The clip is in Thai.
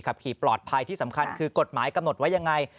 ขับขี่ปลอดภัยที่สำคัญคือกฎหมายกำหนดไว้ยังไง